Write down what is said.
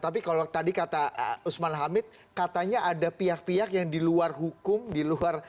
tapi kalau tadi kata usman hamid katanya ada pihak pihak yang di luar hukum di luar